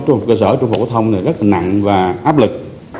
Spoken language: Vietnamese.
trung hợp cơ sở trung hợp phổ thông này rất là nặng và áp lực